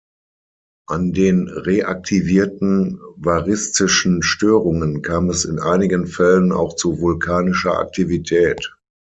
An den reaktivierten variszischen Störungen kam es in einigen Fällen auch zu vulkanischer Aktivität.